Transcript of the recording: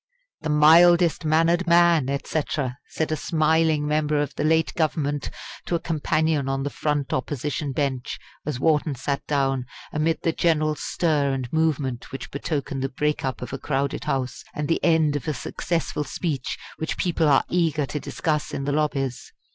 "'The mildest mannered man' et cetera!" said a smiling member of the late Government to a companion on the front Opposition bench, as Wharton sat down amid the general stir and movement which betoken the break up of a crowded House, and the end of a successful speech which people are eager to discuss in the lobbies.